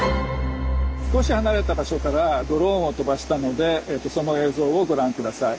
少し離れた場所からドローンを飛ばしたのでその映像をご覧下さい。